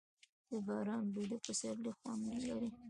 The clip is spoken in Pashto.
د باران بوی د پسرلي خوند لري.